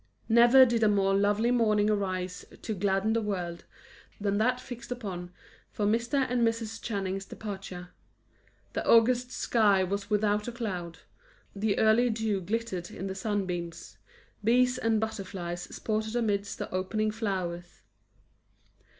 Never did a more lovely morning arise to gladden the world, than that fixed upon for Mr. and Mrs. Channing's departure. The August sky was without a cloud, the early dew glittered in the sunbeams, bees and butterflies sported amidst the opening flowers.